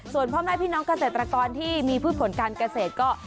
ส่วนพ่อแม่พี่น้องเกษตรกรที่มีพืชผลการเกษตรก็